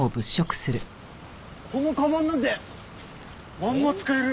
この鞄なんてまんま使える。